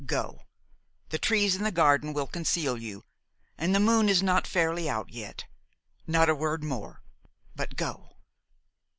Go: the trees in the garden will conceal you, and the moon is not fairly out yet. Not a word more, but go!"